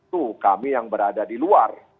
tuh kami yang berada di luar